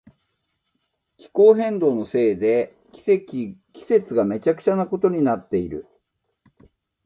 気候変動のせいで季節がめちゃくちゃなことになっている。